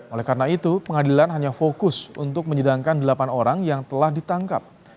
oleh karena itu pengadilan hanya fokus untuk menyidangkan delapan orang yang telah ditangkap